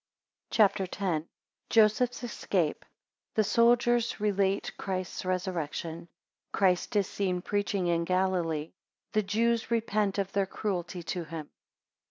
CHAPTER X. 1 Joseph's escape. 2 The soldiers relate Christ's resurrection. 18 Christ is seen preaching in Galilee. 21 The Jews repent of their cruelty to him.